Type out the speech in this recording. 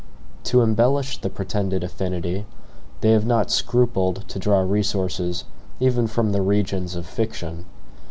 To establish the pretended affinity, they have not scrupled to draw resources even from the regions of fiction.